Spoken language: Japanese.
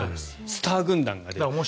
スター軍団が来る。